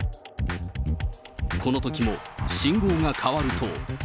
このときも信号が変わると。